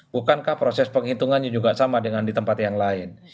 bukankah proses penghitungannya juga sama dengan di tempat yang lain